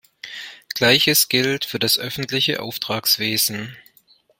Gleiches gilt für das öffentliche Auftragswesen.